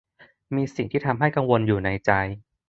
มีสิ่งที่ทำให้กังวลอยู่ในใจ